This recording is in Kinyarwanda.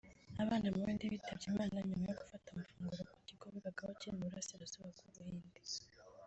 Abana mu buhinde bitabye Imana nyuma yo gufata amafunguro ku kigo bigagaho kiri mu burasirazuba bw’Ubuhinde